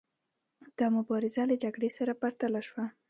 دا مبارزه له جګړې سره پرتله شوه.